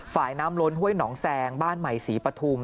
ฝ่ายน้ำล้นห้วยหนองแซงบ้านใหม่ศรีปฐุม